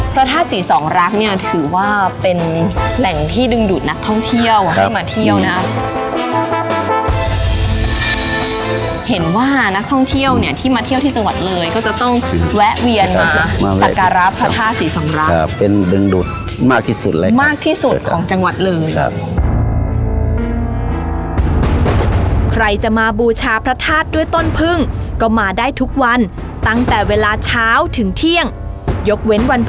พระธาสีสองรักเนี่ยถือว่าเป็นแหล่งที่ดึงดุดนักท่องเที่ยว